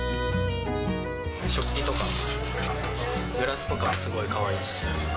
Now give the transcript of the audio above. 食器とかグラスとかはすごいかわいいし。